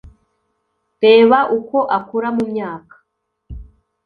reba uko akura mu myaka